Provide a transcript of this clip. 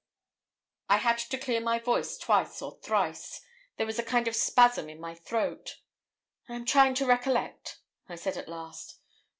I had to clear my voice twice or thrice. There was a kind of spasm in my throat. 'I am trying to recollect,' I said at last.